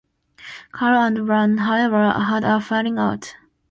Cullen and Brown, however, had a falling out.